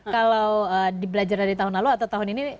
kalau dibelajar dari tahun lalu atau tahun ini